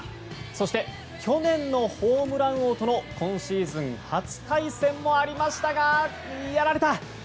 そして去年のホームラン王との今シーズン初対戦もありましたがやられた！